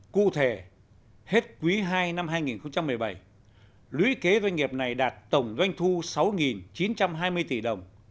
cụ thể hết quý ii năm hai nghìn một mươi bảy lũy kế doanh nghiệp này đạt tổng doanh thu sáu chín trăm hai mươi tỷ đồng